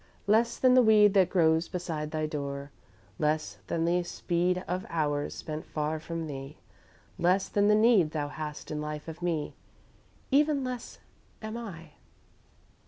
"Less than the weed that grows beside thy door, Less than the speed of hours spent far from thee, Less than the need thou hast in life of me; Even less am I."